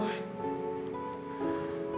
terutama kamu rama